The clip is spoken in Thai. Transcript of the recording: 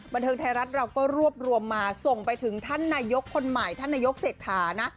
บันเทิงไทยรัฐเราก็รวบรวมมาส่งไปถึงธนยกคนใหม่ธนยกเสกถานะ